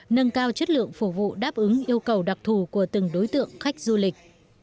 nâng cao chất lượng phục vụ đáp ứng yêu cầu đặc thù của từng đối tượng khách du lịch